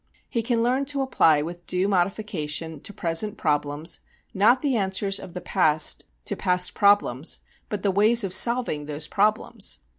He can learn to apply with due modification to present problems not the answers of the past to past problems, but the ways of solving those problems.